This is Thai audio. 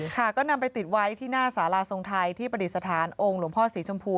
ก็นำไปติดไว้ที่หน้าสาราทรงไทยที่ประดิษฐานองค์หลวงพ่อสีชมพู